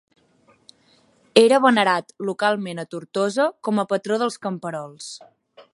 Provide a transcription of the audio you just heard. Era venerat localment a Tortosa com a patró dels camperols.